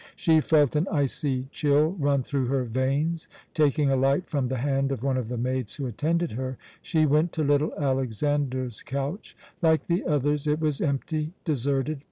She felt an icy chill run through her veins. Taking a light from the hand of one of the maids who attended her, she went to little Alexander's couch. Like the others, it was empty, deserted.